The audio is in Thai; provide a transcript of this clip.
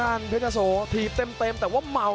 อ้าวเทศโสปวบด้วยหมัด